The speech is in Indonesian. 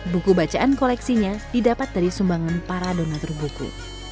buku bacaan koleksinya didapat dari sumbangan para donatur buku